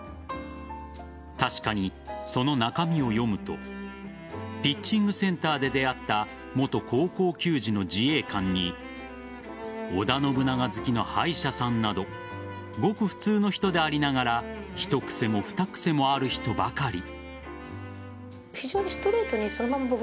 確かにその中身を読むとピッチングセンターで出会った元高校球児の自衛官に織田信長好きの歯医者さんなどごく普通の人でありながら一癖も二癖もある人ばかり。